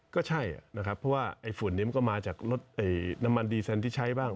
ก็ใช่เพราะว่าฝุ่นนี้ก็มาจากน้ำมันดีแซนที่ใช้บ้าง